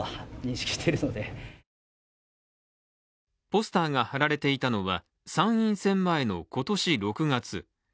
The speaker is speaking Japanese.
ポスターが貼られていたのは参院選前の今年６月。